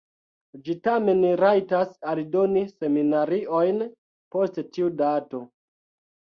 Ĝi tamen rajtas aldoni seminariojn post tiu dato.